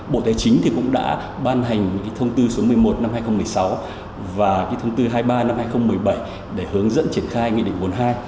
bộ tài chính cũng đã ban hành thông tư số một mươi một năm hai nghìn một mươi sáu và thông tư hai mươi ba năm hai nghìn một mươi bảy để hướng dẫn triển khai nghị định bốn mươi hai